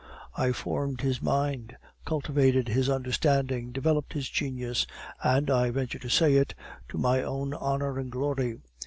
I formed his mind, cultivated his understanding, developed his genius, and, I venture to say it, to my own honor and glory.